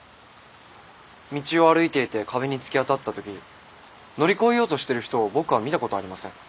道を歩いていて壁に突き当たった時乗り越えようとしてる人を僕は見たことありません。